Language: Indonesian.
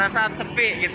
pada saat sepi gitu